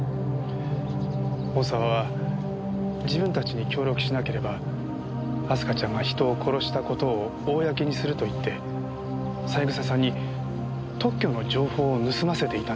大沢は自分たちに協力しなければ明日香ちゃんが人を殺した事を公にすると言って三枝さんに特許の情報を盗ませていたんです。